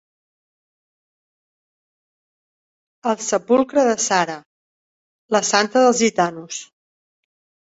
El sepulcre de Sara, la Santa dels gitanos.